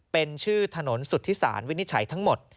เป็นชื่อถนนสุธิศาลวินิจฉัยทั้งหมด